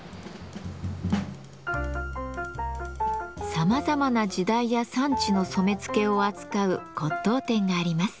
さまざまな時代や産地の染付を扱う骨董店があります。